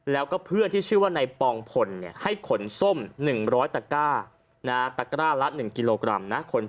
แล้วก็เพื่อนที่ชื่อว่าในปองพลให้ขนส้ม๑๐๐ตะกร้าตะกร้าละ๑กิโลกรัมนะ